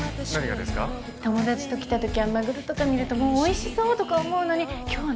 友達と来たときはマグロとか見るともうおいしそうとか思うのに今日は何か全然思わない。